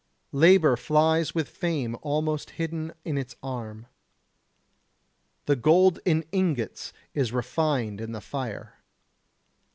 Labour flies with fame almost hidden in its arm. The gold in ingots is refined in the fire.